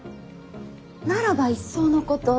ならばいっそのこと。